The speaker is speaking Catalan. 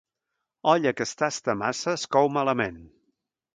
Olla que es tasta massa es cou malament.